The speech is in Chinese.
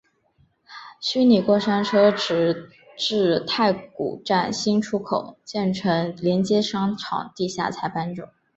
虚拟过山车直至太古站新出口建成连接商场地下才搬走。